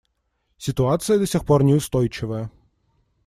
Ситуация до сих пор неустойчивая.